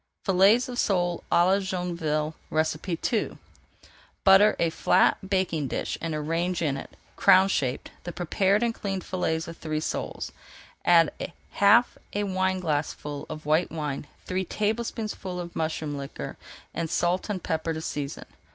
FILLETS OF SOLE À LA JOINVILLE II Butter a flat baking dish and arrange in it, crown shaped, the prepared and cleaned fillets of three soles. Add half a wineglassful of white wine, three tablespoonfuls of mushroom liquor, and salt and pepper to season.